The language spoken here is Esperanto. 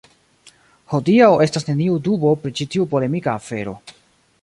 Hodiaŭ estas neniu dubo pri ĉi tiu polemika afero.